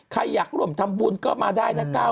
ใครอยากร่วมทำบุญก็มาได้นะก้าว